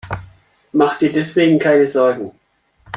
Mach dir deswegen keine Sorgen.